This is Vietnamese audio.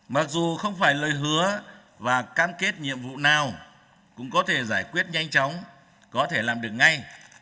mặc dù không phải lời hứa và cam kết nhiệm vụ nào cũng có thể giải quyết nhanh chóng có thể làm được ngay